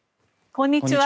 こんにちは。